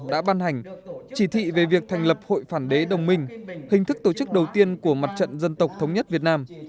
đã ban hành chỉ thị về việc thành lập hội phản đế đồng minh hình thức tổ chức đầu tiên của mặt trận dân tộc thống nhất việt nam